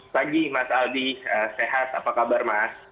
pagi mas aldi sehat apa kabar mas